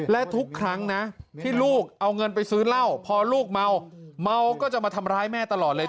และทุกครั้งนะที่ลูกเอาเงินไปซื้อเหล้าพอลูกเมาเมาก็จะมาทำร้ายแม่ตลอดเลย